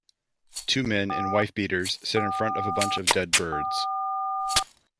Two men in wife beaters sit in front of a bunch of dead birds.